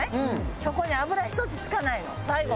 そこに油ひとつ付かないの最後まで。